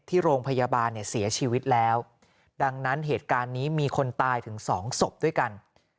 ที่โรงพยาบาลเนี่ยเสียชีวิตแล้วดังนั้นเหตุการณ์นี้มีคนตายถึงสองศพด้วยกัน